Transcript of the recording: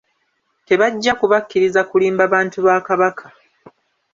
Tebajja kubakkiriza kulimba bantu ba Kabaka